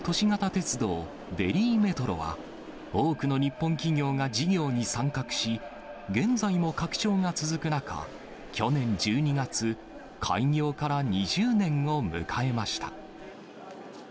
鉄道デリーメトロは、多くの日本企業が事業に参画し、現在も拡張が続く中、去年１２月、開業から２０年を迎えました。